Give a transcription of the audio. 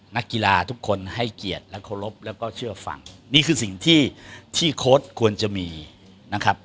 นักกีฬาทุกคนให้เกียรติและเคารพแล้วก็เชื่อฟังนี่คือสิ่งที่ที่โค้ดควรจะมีนะครับ